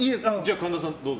神田さん、どうぞ。